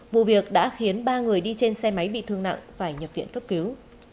vụ việc đã khiến ba người đi trên xe máy bị thương nặng phải nhập viện cấp cứu